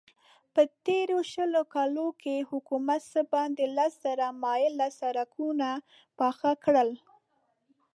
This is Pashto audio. په تېرو شلو کالو کې حکومت څه باندې لس زره مايله سړکونه پاخه کړل.